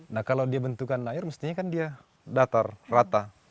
nah kalau dia bentukan air mestinya kan dia datar rata